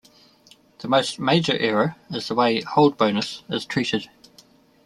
The most major error is the way Hold Bonus is treated.